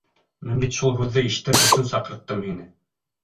Мин бит шул һүҙҙе ишетер өсөн саҡырттым һине.